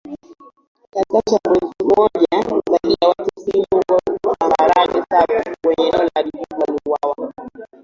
Katika shambulizi moja zaidi ya watu sitini huko Tambarare Savo kwenye eneo la Djubu waliuawa